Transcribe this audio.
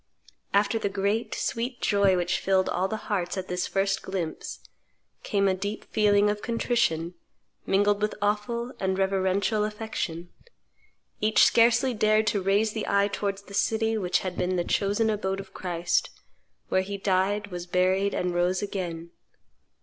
"After the great, sweet joy which filled all hearts at this first glimpse came a deep feeling of contrition, mingled with awful and reverential affection. Each scarcely dared to raise the eye towards the city which had been the chosen abode of Christ, where He died, was buried, and rose again.